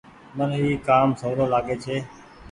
من اي ڪآم سولو لآگي ڇي۔